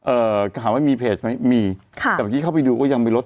เอ่อถามว่ามีเพจไหมมีค่ะแต่เมื่อกี้เข้าไปดูก็ยังมีรถ